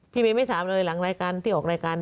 พี่เมย์ไม่ถามเลยหลังรายการที่ออกรายการ